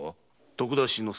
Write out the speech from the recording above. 徳田新之助。